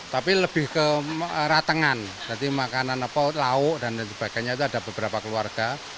tapi lebih ke ratengan jadi makanan lauk dan sebagainya itu ada beberapa keluarga